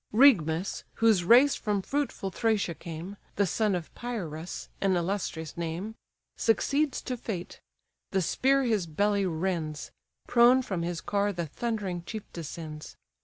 Rhigmas, whose race from fruitful Thracia came, (The son of Pierus, an illustrious name,) Succeeds to fate: the spear his belly rends; Prone from his car the thundering chief descends.